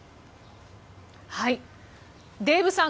デーブさん